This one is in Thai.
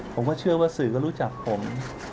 ผมก็เชื่อว่าสื่อก็รู้จักผม